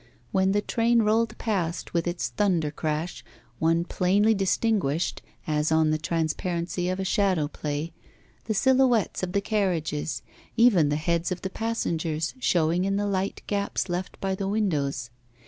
When the train rolled past, with its thunder crash, one plainly distinguished, as on the transparency of a shadow play, the silhouettes of the carriages, even the heads of the passengers showing in the light gaps left by the windows.